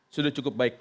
sudah cukup baik